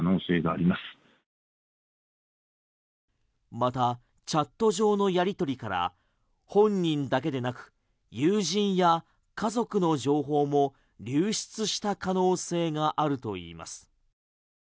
またチャット上のやり取りから本人だけでなく友人や家族の情報も流出した可能性があるといいます。